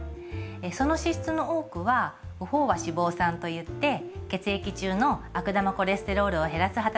その脂質の多くは不飽和脂肪酸といって血液中の悪玉コレステロールを減らす働きがある良質なものなんですよ。